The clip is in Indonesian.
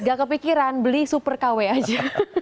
gak kepikiran beli super kw aja